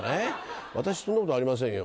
私そんなことありませんよ。